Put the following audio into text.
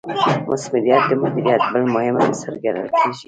مثمریت د مدیریت بل مهم عنصر ګڼل کیږي.